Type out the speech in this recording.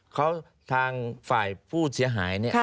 เขาทางฝ่ายผู้เสียหาย